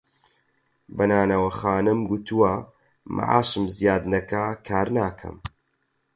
بە نانەواخانەم گوتووە مەعاشم زیاد نەکا کار ناکەم